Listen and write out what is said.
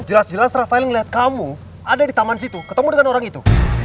jelas jelas rafael melihat kamu ada di taman situ ketemu dengan orang itu